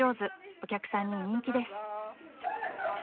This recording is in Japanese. お客さんに人気です］